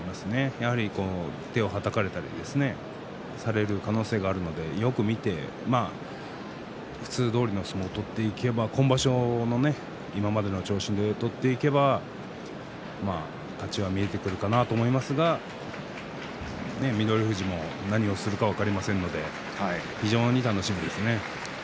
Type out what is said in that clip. やはり手をはたかれたりされる可能性があるので、よく見て普通どおりの相撲を取っていけば今場所も今までの調子で取っていけば勝ちが見えてくるかなと思いますが、翠富士も何をするか分かりませんので非常に楽しみです。